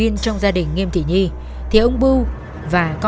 nó là cái tư pháp